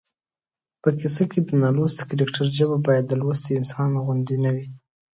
په کیسه کې د نالوستي کرکټر ژبه باید د لوستي انسان غوندې نه وي